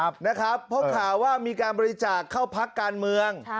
เพราะข่าวว่ามีการบริจาคเข้าพักการเมือง